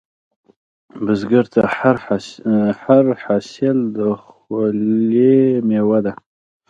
بزګر ته هر حاصل د خولې میوه ده